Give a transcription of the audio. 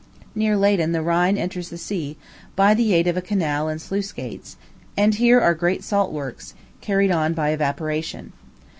Near Leyden the Rhine enters the sea, by the aid of a canal and sluice gates; and here are great salt works, carried on by evaporation.